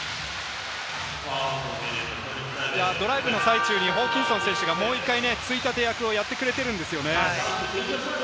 ドライブの最中にホーキンソン選手がもう１回、ついたて役をやってくれているんですよね。